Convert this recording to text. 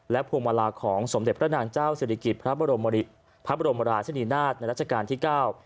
พวงมาลาของสมเด็จพระนางเจ้าศิริกิจพระบรมพระบรมราชนีนาฏในรัชกาลที่เก้า